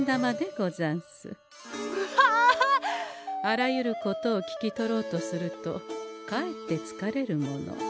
あらゆることを聞き取ろうとするとかえってつかれるもの。